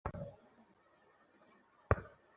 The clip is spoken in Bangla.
রাহুল সে হিন্দিতে কিভাবে গান গাইবে?